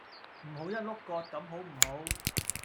唔好一碌葛咁好唔好